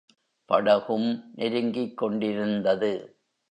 படகும் நெருங்கிக் கொண்டிருந்தது.